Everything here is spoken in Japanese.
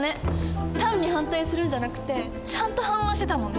単に反対するんじゃなくてちゃんと反論してたもんね。